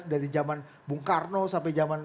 dari zaman bung karno sampai zaman